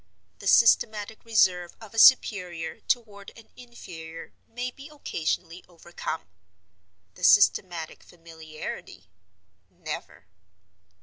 The systematic reserve of a superior toward an inferior may be occasionally overcome—the systematic familiarity never.